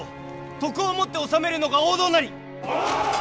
徳をもって治めるのが王道なり！